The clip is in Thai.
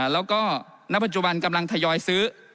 แล้วก็ณปัจจุบันกำลังทยอยซื้อ